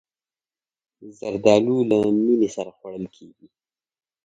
زردالو له مینې سره خوړل کېږي.